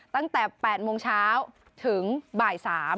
ตั้งแต่๘โมงเช้าถึงบ่าย๓